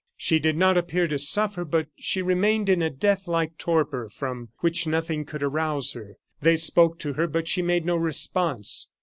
She did not appear to suffer, but she remained in a death like torpor, from which nothing could arouse her. They spoke to her but she made no response.